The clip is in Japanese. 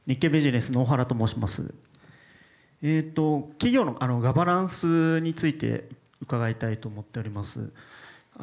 企業のガバナンスについて伺いたいと思います。